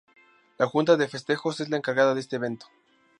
La Junta de Festejos es la encargada de este evento.